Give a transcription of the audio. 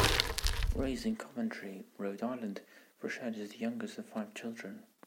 Raised in Coventry, Rhode Island, Frechette is the youngest of five children.